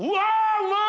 うまい！